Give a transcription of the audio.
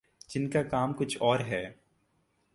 جن کا کام کچھ اور ہے۔